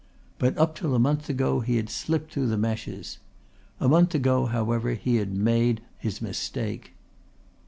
But up till a month ago he had slipped through the meshes. A month ago, however, he had made his mistake.